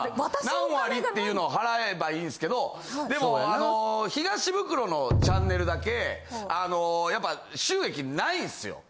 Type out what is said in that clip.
何割っていうのを払えればいいんですけどでもあの東ブクロのチャンネルだけあのやっぱ収益ないんですよ。